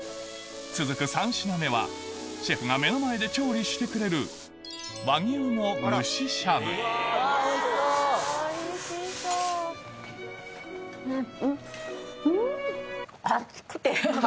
続く３品目はシェフが目の前で調理してくれるうん。